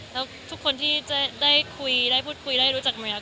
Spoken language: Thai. แล้วทุกคนที่จะได้คุยได้พูดคุยได้รู้จักเมย์